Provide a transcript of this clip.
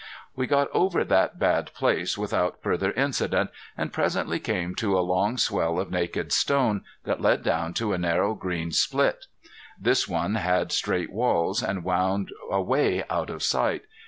We got over that bad place without further incident, and presently came to a long swell of naked stone that led down to a narrow green split. This one had straight walls and wound away out of sight.